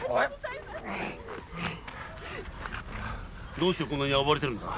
どうしてこんなに暴れてるんだ？